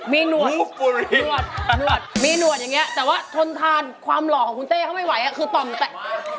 มีหนวดมีหนวดอย่างนี้แต่ว่าทนทานความหล่อของคุณเต้เขาไม่ไหวคือต่อมแตะ